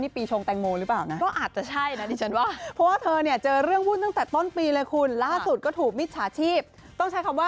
ปีชงแตงโมหรือเปล่านะ